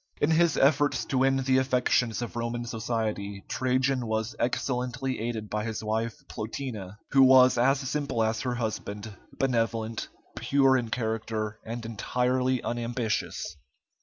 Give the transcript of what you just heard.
In his efforts to win the affections of Roman society, Trajan was excellently aided by his wife Plotina, who was as simple as her husband, benevolent, pure in character, and entirely unambitious.